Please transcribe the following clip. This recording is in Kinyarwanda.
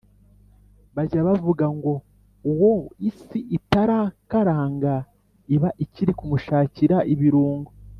Bajya bavuga ngo uwo isi itarakaranga iba ikiri kumushakira ibirungo